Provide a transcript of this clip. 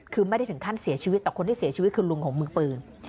คือไม่ได้ถึงขั้นเสียชีวิตแต่คนที่เสียชีวิตคือลุงของมือปืน